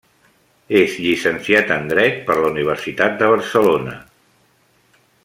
És llicenciat en Dret per la Universitat de Barcelona.